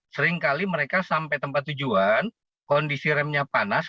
seringkali mereka sampai tempat tujuan kondisi remnya panas